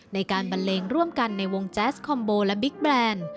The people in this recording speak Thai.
บันเลงร่วมกันในวงแจ๊สคอมโบและบิ๊กแบรนด์